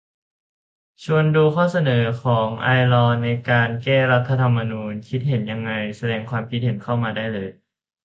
ชวนดูข้อเสนอของไอลอว์ ในการ แก้รัฐธรรมนูญ คิดเห็นยังไง แสดงความคิดเห็นเข้ามาได้เลย